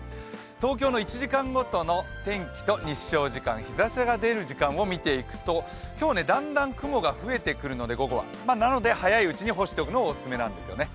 東京の１時間ごとの天気と日照時間、日ざしが出る時間を見ていくと今日だんだん雲が増えてくるのでなので早いうちに干しておくのがオススメなんですよね。